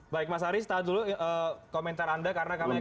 baik mas aris tahan dulu komentar anda karena kami